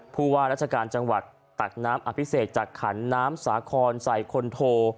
ผู้ว่าราชการจังหวัดตักน้ำอภิเษกจากขันน้ำสาครใส่คนโท